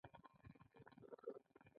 په ټولنه کی هغه رواجونه چي بد دي ورک سي.